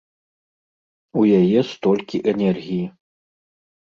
У яе столькі энергіі.